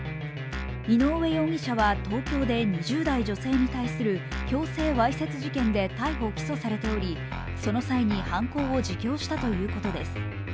井上容疑者は東京で２０代女性に対する強制わいせつ事件で逮捕・起訴されており、その際に犯行を自供したということです。